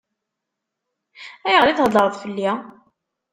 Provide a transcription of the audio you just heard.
Ayɣer i theddṛeḍ fell-i?